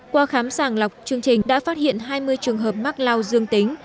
qua khám sàng lọc chương trình đã phát hiện hai mươi trường hợp mắc lao dương tính